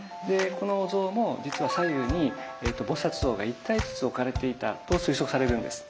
このお像も実は左右に菩像が１体ずつ置かれていたと推測されるんです。